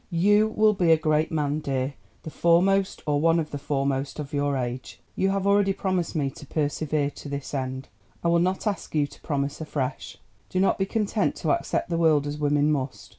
"You will be a great man, dear, the foremost or one of the foremost of your age. You have already promised me to persevere to this end: I will not ask you to promise afresh. Do not be content to accept the world as women must.